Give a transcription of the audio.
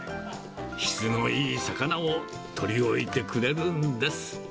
質のいい魚を取り置いてくれるんです。